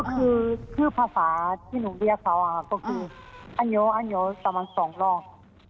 ก็คือชื่อภาษาที่หนูเรียกเขาค่ะก็คืออันโยอันโยสำหรับสองรอบ